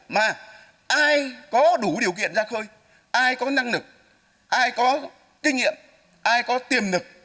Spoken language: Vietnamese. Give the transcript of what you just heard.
mà ai có đủ điều kiện ra khơi ai có năng lực ai có kinh nghiệm ai có tiềm lực